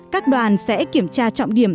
các đoàn sẽ kiểm tra trọng điểm